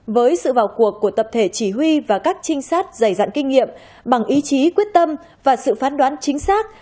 với sự vào cuộc của tập thể chỉ huy và các trinh sát dày dặn kinh nghiệm bằng ý chí quyết tâm và sự phán đoán chính xác